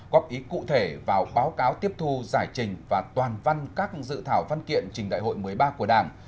góp ý cụ thể vào báo cáo tiếp thu giải trình và toàn văn các dự thảo văn kiện trình đại hội một mươi ba của đảng